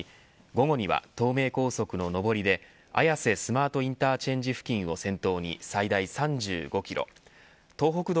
午後には東名高速の上りで綾瀬スマートインターチェンジ付近を先頭に最大３５キロ。